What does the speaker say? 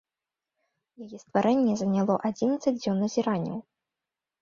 Яе стварэнне заняло адзінаццаць дзён назіранняў.